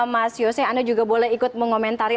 mas yose anda juga boleh ikut mengomentari